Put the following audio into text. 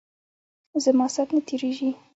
زما سات نه تیریژی.